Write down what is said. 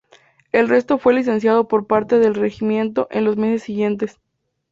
El resto fue licenciado por parte del regimiento en los meses siguientes.